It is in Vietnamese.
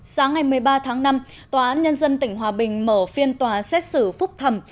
sáng ngày một mươi ba tháng năm tòa án nhân dân tỉnh hòa bình mở phiên tòa xét xử phúc thẩm